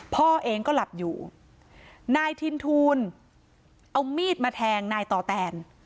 พ่อเองก็หลับอยู่นายทินทูลเอามีดมาแทงนายต่อแตน